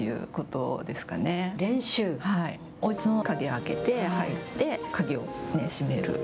おうちの鍵開けて入って、鍵を閉める。